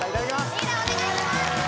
・リーダーお願いします！